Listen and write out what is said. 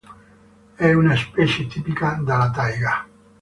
È una specie tipica della taiga.